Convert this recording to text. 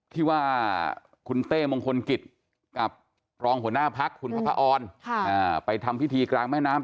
ที่ว่าคุณเต้มงคลกิจกับรองหัวหน้าพักคุณพระออนไปทำพิธีกลางแม่น้ำ